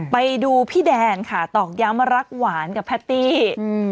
ไปดูพี่แดนค่ะตอกย้ำว่ารักหวานกับแพตตี้อืม